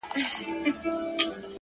علم د پرمختګ اساس جوړوي’